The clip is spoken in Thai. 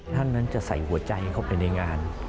ท่านนั้นจะใส่หัวใจเข้าไปในงาน